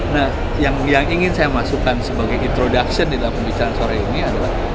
nah yang ingin saya masukkan sebagai introduction di dalam pembicaraan sore ini adalah